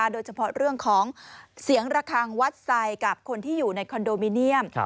โดยเฉพาะเรื่องของเสียงระคังวัดไซด์กับคนที่อยู่ในคอนโดมิเนียม